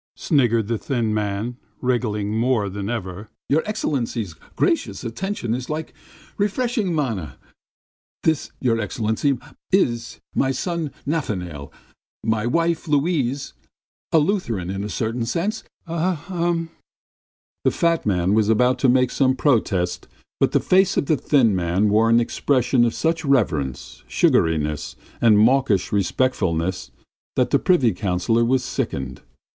..?" sniggered the thin man, wriggling more than ever. "Your Excellency's gracious attention is like refreshing manna. ... This, your Excellency, is my son Nafanail, ... my wife Luise, a Lutheran in a certain sense." The fat man was about to make some protest, but the face of the thin man wore an expression of such reverence, sugariness, and mawkish respectfulness that the privy councillor was sickened.